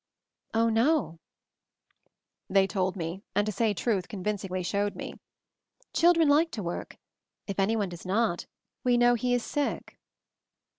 "Oh, no," they told me ; and, to say truth, convincingly showed me. "Children like to work. If any one does not, we know he is sick."